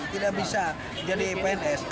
tidak bisa jadi pns